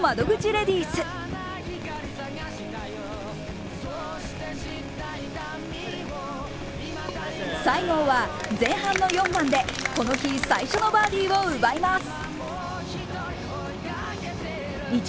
レディース西郷は前半の４番でこの日最初のバーディーを奪います。